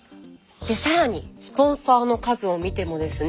さらにスポンサーの数を見てもですね